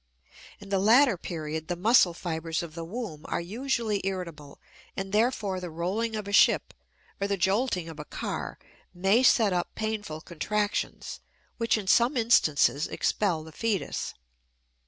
In the latter period the muscle fibers of the womb are usually irritable and therefore the rolling of a ship or the jolting of a car may set up painful contractions which in some instances expel the fetus.